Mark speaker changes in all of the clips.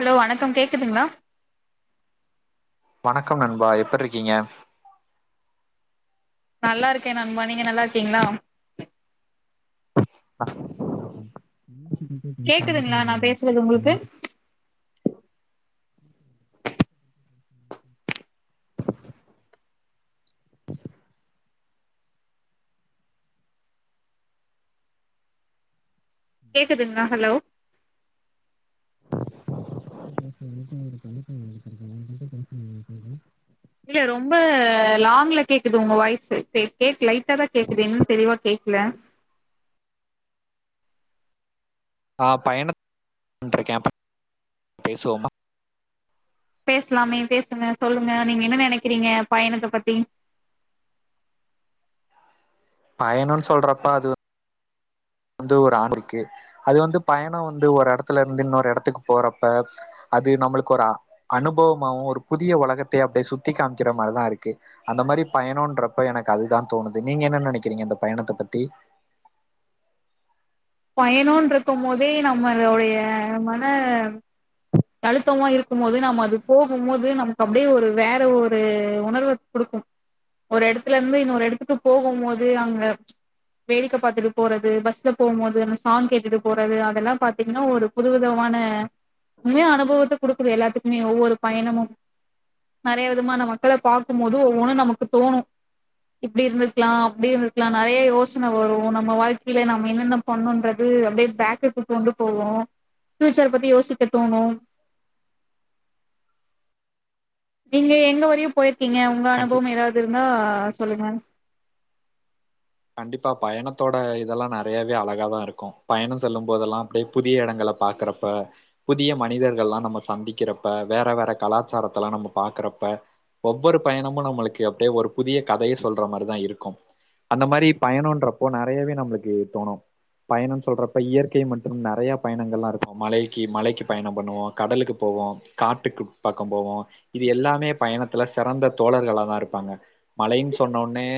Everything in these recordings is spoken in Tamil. Speaker 1: ஹலோ வணக்கம். கேக்குதுங்ளா?
Speaker 2: வணக்கம் நண்பா எப்பிர்ருக்கீங்க?
Speaker 1: நல்லாருக்கே நண்பா. நீங்க நல்லா இருக்கீங்ளா?
Speaker 2: அ. [inaudible]
Speaker 1: கேக்குதுங்ளா நா பேசறது உங்குளுக்கு? கேக்குதுங்ளா ஹலோ?
Speaker 2: [inaudible]
Speaker 1: இல்ல ரொம்ப லாங்ல கேக்குது உங்க வாய்ஸு கேக் கேக் லைட்டா தா கேக்குது என்னன் தெளிவா கேக்ல.
Speaker 2: ஆ பயண [inaudible] பேசுவோம்மா?
Speaker 1: பேசலாமே பேசுங்க சொல்லுங்க நீங்க என்ன நெனைக்கிறீங்க பயணத்த பத்தி?
Speaker 2: பயணோன் சொல்றப்ப அது வந்து ஒரு [inaudible] அது வந்து பயணோ வந்து ஒரு எடத்துல இருந்து இன்னொரு எடத்துக்கு போறப்ப அது நம்மளுக்கு ஒரு அ அனுபவமாவு ஒரு புதிய உலகத்யே அப்டே சுத்தி காம்க்கிற மாரிதா இருக்கு. அந்த மாரி பயணோன்றப்ப எனக்கு அதுதா தோணுது நீங்க என்ன நெனைக்கிறீங்க அந்த பயணத்த பத்தி?
Speaker 1: பயணோன்ருக்கும் போதே நம்மளுடைய மன அழுத்தமா இருக்கும் போது நம்ம அது போகும் போது நமக்கு அப்டியே ஒரு வேற ஒரு உணர்வ குடுக்கும். ஒரு எடத்துல இருந்து இன்னோரு எடத்துக்கு போகும் போது அங்க வேடிக்க பாத்துட்டு போறது பஸ்ல போம் போது அந்த சாங் கேட்டுட்டு போறது அதெல்லா பாத்திங்ன்னா ஒரு புதுவிதமான உண்மையா அனுபத்த குடுக்குது எல்லாத்துக்குமே ஒவ்வொரு பயணமும் நறைய விதமான மக்கள பாக்கும்போது ஒவ்வொனு நமக்கு தோணு. இப்டி இருந்துர்க்லா அப்டி இருந்துர்க்லா நறைய யோசன வரு நம்ம வாழ்க்கைல நம்ம என்னென்ன பண்ணுன்றது அப்டே பேக்குக்கு கொண்டு போகு. ஃபியூச்சர பத்தி யோசிக்க தோணு. நீங்க எங்க வரையு போயிர்க்கீங்க உங்க அனுபவம் எதாவது இருந்தா சொல்லுங்க.
Speaker 2: கண்டிப்பா பயணத்தோட இதெல்லா நறையாவே அழகாதா இருக்கு. பயணோ செல்லும் போதெல்லா அப்டே புதிய எடங்கள பாக்கறப்ப புதிய மனிதர்கள்லா நம்ம சந்திக்கிறப்ப வேற வேற கலாச்சாரத்தலா நம்ம பாக்கறப்ப ஒவ்வொரு பயணமு நம்மளுக்கு அப்டே ஒரு புதிய கதைய சொல்ற மாரிதா இருக்கு. அந்த மாரி பயணோன்றப்போ நெறையவே நம்மளுக்கு தோணு. பயணன் சொல்றப்ப இயற்கை மற்றும் நறையா பயணங்கள்லா இருக்கு மலைக்கி மலைக்கி பயணம் பண்ணுவோ கடலுக்கு போவோ. காட்டுக்கு பாக்கம் போவோ. இது எல்லாமே பயணத்துல சிறந்த தோழர்களாதா இருப்பாங்க. மலைன் சொன்ன ஒன்னே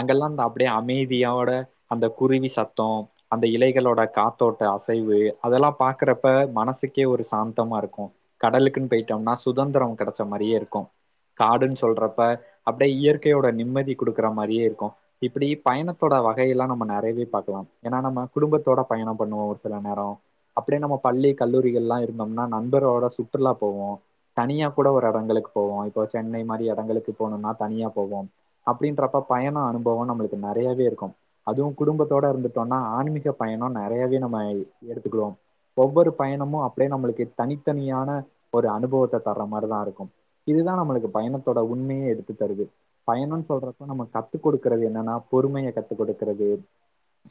Speaker 2: அங்கெல்லா அந்த அப்டியே அமைதியோட அந்த குருவி சத்தோ அந்த இலைகளோட காத்தோட்ட அசைவு அதெல்லா பாக்கறப்ப மனசுக்கே ஒரு சாந்தமாருக்கு. கடலுக்குன் போயிட்டம்னா சுதந்ரோ கெடைச்ச மாரியேருக்கு. காடுன் சொல்றப்ப அப்டே இயற்கையோட நிம்மதி குடுக்கற மாரியேருக்கு. இப்டி பயணத்தோட வகையெல்லா நம்ம நெறைய்வே பாக்லாம். ஏனா நம்ம குடும்பத்தோட பயணம் பண்ணுவோ ஒரு சில நேரோ. அப்டே நம்ம பள்ளி கல்லூரிகள்லா இருந்தம்னா நண்பரோட சுற்றுலா போவோ. தனியா கூட ஒரு எடங்களுக்கு போவோ இப்போ சென்னை மாரி எடங்களுக்கு போணும்னா தனியா போவோம். அப்டின்றப்ப பயண அனுபவோ நம்முளுக்கு நறையாவே இருக்கு. அதுவு குடும்பத்தோட இருந்துட்டோன்னா ஆன்மீக பயணோ நெறையாவே நம்ம எடுத்துக்குறோம். ஒவ்வொரு பயணமு அப்டே நம்மளுக்கு தனித்தனியான ஒரு அனுபவத்த தர்ற மாரிதா இருக்கும். இதுதா நம்மளுக்கு பயணத்தோட உண்மையே எடுத்து தருது. பயணன் சொல்றப்ப நம்ம கத்து குடுக்கறது என்னன்னா பொறுமைய கத்து குடுக்கறது.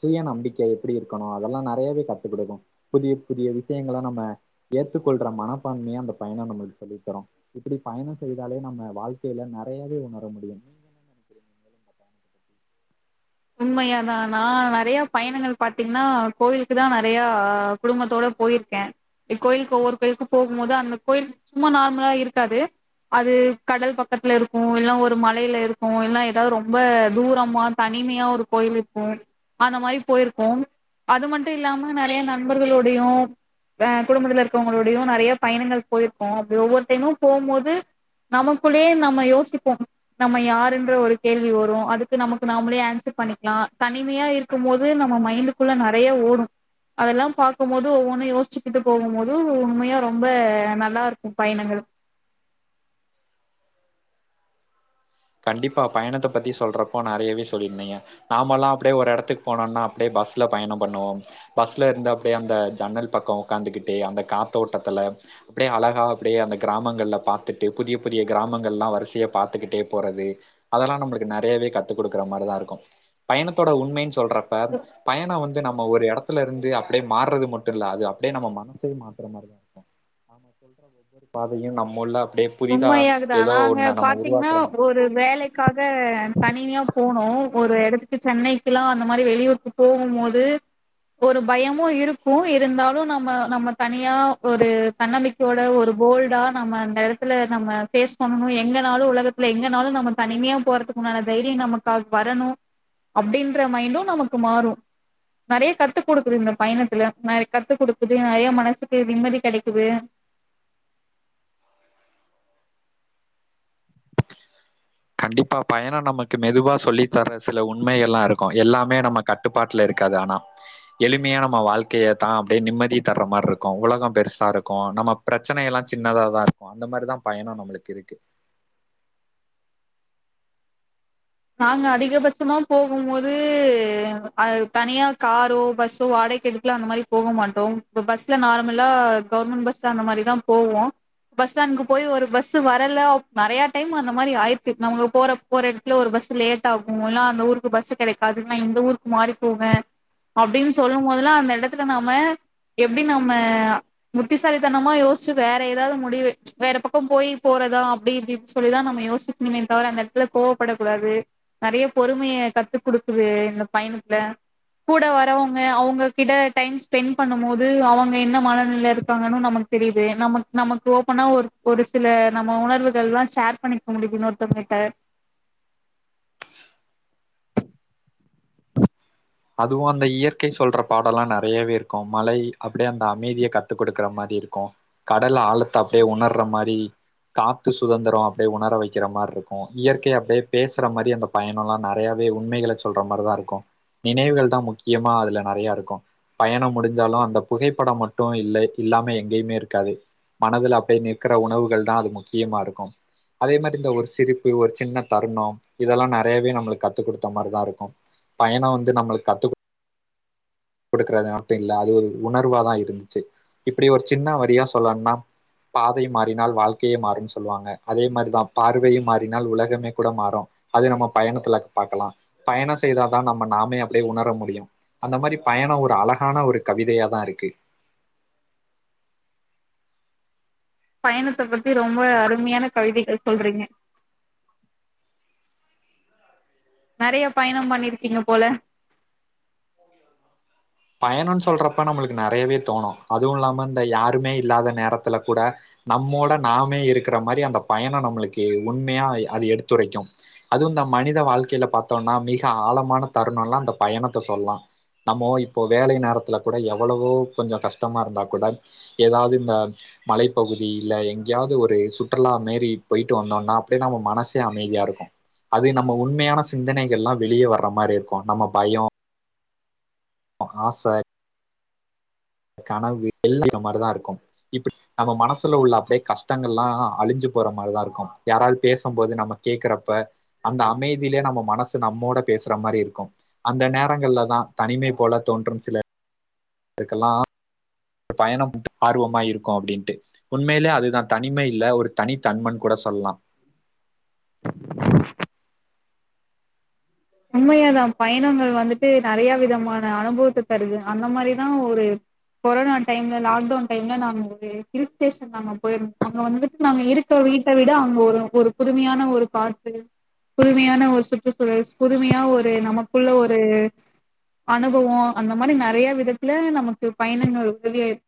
Speaker 2: சுய நம்பிக்கை எப்பிடி இருக்கணு. அதெல்லா நறையாவே கத்து குடுக்கு புதிய புதிய விஷ்யங்கள நம்ம ஏத்துக்கொள்டற மனப்பான்மைய அந்த பயணோ நம்மளுக்கு சொல்லி தரு இப்டி பயணோ செய்தாலே நம்ம வாழ்க்கையில நெறையாவே உணர முடியு
Speaker 1: உண்மையாதா நா நெறைய பயணங்கள் பாத்தீங்கன்னா கோவிலுக்கு தா நெறையா குடும்பத்தோட போயிருக்க இக் கோயிலுக்கு ஒவ்வொரு பேர்க்கு போம்மொதா அந்த கோயில் சும்மா நார்மல்லா இருக்காது அது கடல் பக்கத்துல இருக்கு இல்ல ஒரு மலையில இருக்கு இல்ல ஏதாது ரொம்ப தூரமா தண் னிமையா ஒரு கோயிலுக் போரது அந்த மாரி போயிருக்கு அது மட்டு இல்லாம நெறைய நண்பர்களுடையு வே குடும்பத்துல இருக்கவங்களளுடையு நெறைய பயணங்கள் போயிருக்கோ அப்டி ஒவ்வொரு டைமு போமோது நமக்குள்ளேயே நம்ம யோசிப்போ நம்ம யாருன்ற ஒரு கேள்வி வரு அதுக்கு நமக்கு நா நம்மளே ஆன்சர் பண்ணிக்கலா தனிமையா இருக்கு போது நம்ம மைண்டுக்குள்ள நெறைய ஓடு அதெல்லா பாக்கு மோது ஒவ்வொன்னு யோசிச்சுக்கிட்டு போது உண்மையா ரொம்ப நல்லா இருக்கு பயணங்களு
Speaker 2: கண்டிப்பா பயணத்த பத்தி சொல்றோப்போ நெறையவே சொல்லிருந்தீங்க நாமல்லா அப்டியே ஒரு எடத்துக்கு போனோன்னா அப்டியே பஸ்ல பயண பண்ணுவோ பஸ்ல இருந்து அப்டியே அந்த ஜன்னல் பக்கோ உக்காந்துகிட்டு அந்த காத்தோட்டத்துல அப்டியே அழகா அப்டியே அந்த கிராமங்கள்ல பாத்துட்டு புதிய புதிய கிராமங்கள்லா வரிசைய பாத்துக்கிட்டே போறது அதெல்லா நம்மளுக்கு நெறையாவ கத்து குடுக்குற மாரிதா இருக்கு பயணத்தோட உண்மைன்னு சொல்றப் [unintelligible] பயணோ வந்து நம்ம ஒர எடத்துல இருந்து அப்டியே மாறுறது மட்டு இல்ல அது அப்டியே நம்ம மனசயு மாத்துற மாரி சொல்ற ஒவ்வொரு பாதையு நம்மள்ள அப்டியே
Speaker 1: உண்மையாகதா நாங்க பாத்தீங்கன்னா ஒரு வேலைக்காக தனியா போனோம் ஒரு எடத்துக்கு சென்னைக்குல்லாம் அந்த மாரி வெளியூருக்கு போகும் போது ஒரு பயமும் இருக்கும் இருந்தாலும் நம்ம நம்ம தனியா ஒரு தன்னம்பிக்கையோட ஒரு போல்டா நம்ம அந்த நம்ம ஃபேஸ் பண்ணணு எங்க நாலு உலகத்தில எங்கனாலு நம்ம தனிமயா போறதுக்குண்டான தைரிய நமக் தால்ப் வரணு அப்டின்ற மைண்டு நமக்கு மாறு நெறய கத்து குடுக்குது இந்த பயணத்துல நெறய கத்து குடுக்குது நெறய மனசுக்கு நிம்மதி கெடைக்குது
Speaker 2: கண்டிப்பா பயணோ நமக்கு மெதுவா சொல்லி தர சில உண்மையல்லா இருக்கு எல்லாமே நம்ம கட்டுப்பாட்டுல இருக்காது ஆனா எளிமையா நம்ம வாழ்க்கையதா அப்டியே நிம்மதி தர்ற மாரி இருக்கு உலகம் பெருசா இருக்கு நம்ம பிரச்சனை எல்லா சின்னதா தா இருக்கு அந்த மாரி தா பயணோ நம்மளுக்கு இருக்கு
Speaker 1: நாங்க அதிகபட்சமா போகும்மோது அது தனியா காரோ பஸ்ஸோ வாடகைக்கு எடுத் வீட்ல அந்த மாரி போக மாட்டோ இப்ப பஸ்ல நார்மல்லா கவுர்மெண்ட் பஸ்ல அந்த மாரி தா போவோ பஸ் ஸ்டாண்டுக்கு போயு ஒரு பஸ் வரல நிறைய டைமு அந்த மாரி ஆயிருக்கு அவுங்க போற போற இடத்துல ஒரு பஸ் லேட் ஆகு எல்லா அந்த ஊருக்கு பஸ் கெடைக்காது நா இந்த ஊருக்கு மாரி போவே அப்டின்னு சொல்லும் போதெல்லா அந்த இடத்துல்ல நாம எப்டி நம்ம முட்டிசாலித்தனமா யோசிச்சு வேற ஏதாது முடிவு வேற பக்கோ போய் போறதா அப்டின்னு சொல்லிதா நம்ம யோசி நீமே தவிர அந்த இடத்துல கோவப்படக் கூடாது நெறைய பொறுமையை கத்து குடுக்குது இந்த பயணத்துல கூட வரவங்க அவுங்ககிட்ட டைம் ஃஸ்பெண்ட் பண்ணு மோது அவங்க என்ன மனநில்ல இருப்பாங்கன்னு நமக்கு தெரிது நம நமக்கு ஓப்பனா ஒரு ஒரு சில நம்ம உணர்வுகள்லா ஷேர் பண்ணிக்க முடியு இன்னோருத்தவங்கிட்ட
Speaker 2: அதுவு அந்த இயற்கை சொல்ற பாடோ எல்லா நெறையவே இருக்கு மலை அப்டியே அந்த அமைதியை கத்து கொடுக்குற மாரி இருக்கு கடல் ஆழத்த அப்டியே உணர்ற மாரி காத்து சுதந்திரோ அப்டியே உணர வைக்கிற மாரி இருக்கு இயற்கை அப்டியே பேசுற மாரி அந்த பயணோ எல்லா நெறையாவே உண்மைகள சொல்ற மாரி தா இருக்கு நினைவுகள் தா முக்கியமா அதுல நெறைய இருக்கு பயணோ முடிஞ்சாலு அந்த புகைப்படோ மட்டு இல்லை இல்லாம எங்கேயுமே இருக்காது மனதுல அப்டியே நிற்கற உணவுகள் தா அது முக்கியமா இருக்கு அதே மாரி இந்த ஒரு சிரிப்பு ஒரு சின்ன தருணோ இதெல்லா நெறையாவே நம்மளுக்கு கத்து குடுத்த மாரி தா இருக்கு பயணோ வந்து நம்மளுக்கு கத்து குடுக்குறது மட்டு இல்லாது ஒரு உணர்வா தா இருந்துச்சு இப்டி ஒரு சின்ன வரியா சொல்லன்னா பாதை மாறினால் வாழ்க்கையே மாறுனு சொல்லுவாங்க அதே மாரி தா பார்வையை மாறினால் உலகமே கூட மாறு அது நம்ம பயணத்துல பாக்கலா பயணோ செய்தா தா நம்ம நாமே அப்டியே உணர முடியு அந்த மாரி பயணோ ஒரு அழகான ஒரு கவிதையா தா இருக்கு
Speaker 1: பயணத்த பத்தி ரொம்ப அருமையான கவிதைகள் சொல்றீங்க நெறைய பயணோ பண்ணிருக்கீங்க போல
Speaker 2: பயணோன் சொல்டறப்ப நம்மளுக்கு நெறையே தோணு அதுவு இல்லாம இந்த யாருமே இல்லாத நேரத்துல கூட நம்மோட நாமே இருக்கிற மாரி அந்த பயணோ நம்மளுக்கு உண்மையா அது எடுத்துரைக்கு அதுவு இந்த மனித வாழ்க்கையில பாத்தோன்னா மிக ஆழமான தருணோ எல்லா அந்த பயணோத்த சொல்லலா நம்மோ இப்போ வேலை நேரத்துல கூட எவ்வளவோ கொஞ்சோ கஷ்டமா இருந்தா கூட எதாவ்து இந்த அர்ஜ் மலைப்பகுதி இல்ல எங்கேயாவ்து ஒரு சுற்றுலா மாரி போய்ட்டு வந்தோனா அப்டியே நம்ம மனசே அமைதியா இருக்கு அது நம்ம உண்மையான சிந்தனைகள்லா வெளியே வர்ற மாரி இருக்கு நம்ம பயோ ஆசை கனவு எல்லா [unintelligible] மாரிதா இருக்கும் இப்படி நம்ம மனசுல உள்ள அப்டே கஷ்டங்கள் எல்லா அழிஞ்சு போற மாரிதா இருக்கு யாராவ்து பேசும் போது நம்ம கேக்குறப்ப அந்த அமைதிலே நம்ம மனசு நம்மோட பேசுற மாரி இருக்கு அந்த நேரங்கள்லதா தனிமை போல தோன்றும் சில இதுக்கெல்லா பயணம் ஆர்வமா இருக்கு அப்டீன்ட்டு உண்மையிலே அதுதா தனிமே இல்ல ஒரு தனித்தன்மன்கூட சொல்லா
Speaker 1: உண்மையாதா பயணங்கள் வந்துட்டு நெறைய விதமான அனுபவத்த தருது அந்த மாரிதா ஒரு கொரோனா டைம்ல லாக்டவுன் டைம்ல நாங்க ஒரு ஹில் ஸ்டேஷன் நாங்க போயிருந்தோ அங்க வந்துட்டு நாங்க இருக் க வீட்ட விட அங்க ஒரு ஒரு புதுமையான ஒரு பாட்டு புதுமையான ஒரு சுற்றுச்சூழல் புதுமையா ஒரு நமக்குள்ள ஒரு அனுபவோ அந்த மாதிரி நெறைய விதத்துல நமக்கு பயணங்கள் உதவியா இரு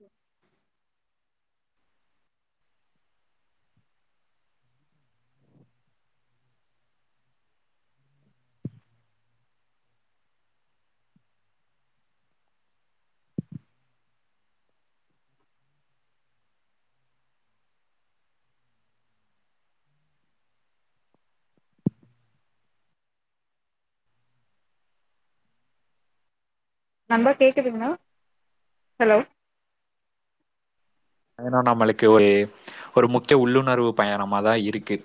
Speaker 1: நண்பா கேக்குதுங்ளா ஹலோ
Speaker 2: [unintelligible] மலைக்கு ஒரு ஒரு முக்கிய உள்ளுணர்வு பயணமாதா இருக்கு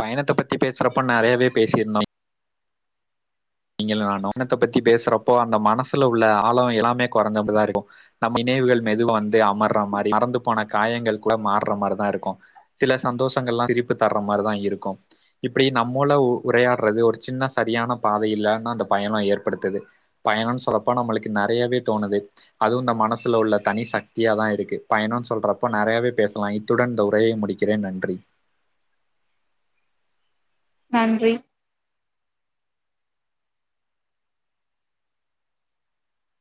Speaker 2: பயணத்த பத்தி பேசுறப்போ நெறயவே பேசியிருந்தோ நீங்களு நானு பயணத்த பத்தி பேசுறப்போ அந்த மனசுல உள்ள ஆழோ எல்லாமே கொறஞ்சம்ன்டுதா இருக்கு நம்ம நினைவுகள் மெதுவா வந்து அமர்ற மாரி மறந்து போன காயங்கள் கூட மாறுற மாரிதா இருக்கு சில சந்தோஷங்கள்லா திருப்பி தர்ற மாரிதா இருக்கு இப்படி நம்மோல உ உரையாட்றது ஒரு சின்ன சரியான பாதை இல்லன்னா அந்த பயணோ ஏற்படுத்துது பயணொன் சொல்றப்ப நம்மளுக்கு நறையவே தோணுது அதுவு இந்த மனசுல உள்ள தனி சக்தியா தா இருக்கு பயணோன் சொல்றப்போ நறையவே பேசலா இ த்துடன் இந்த உரையை முடிக்கிறேன் நன்றி
Speaker 1: நன்றி